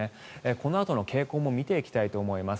このあとの傾向も見ていきたいと思います。